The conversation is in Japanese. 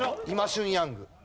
今旬ヤング。